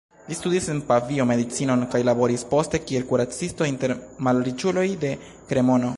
Li studis en Pavio medicinon kaj laboris poste kiel kuracisto inter malriĉuloj de Kremono.